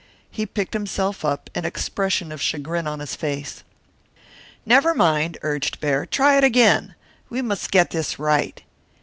He picked himself up, an expression of chagrin on his face. "Never mind," urged Baird. "Try it again. We must get this right."